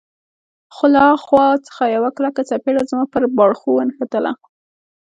خو له ها خوا څخه یوه کلکه څپېړه زما پر باړخو ونښتله.